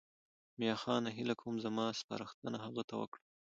میاخانه هیله کوم زما سپارښتنه هغه ته وکړه.